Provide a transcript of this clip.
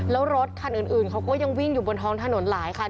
แล้วรถคันอื่นเขาก็ยังวิ่งอยู่บนท้องถนนหลายคัน